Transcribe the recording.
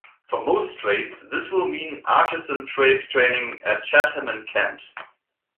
For most trades, this will mean artisan trade training at Chatham in Kent.